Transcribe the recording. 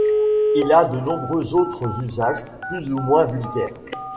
Il a de nombreux autres usages plus ou moins vulgaires.